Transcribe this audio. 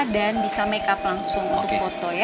bisa make up langsung untuk foto ya